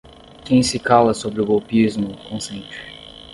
Quem se cala sobre o golpismo, consente